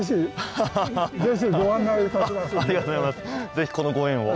是非このご縁を。